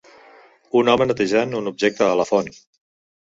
Un home netejant un objecte a la font.